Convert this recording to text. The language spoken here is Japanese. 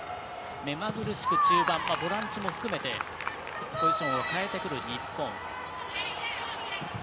目まぐるしく中盤ボランチも含めてポジションを変えてくる日本。